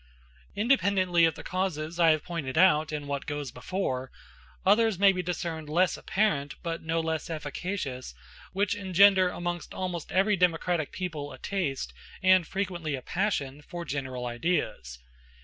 Independently of the causes I have pointed out in what goes before, others may be discerned less apparent, but no less efficacious, which engender amongst almost every democratic people a taste, and frequently a passion, for general ideas.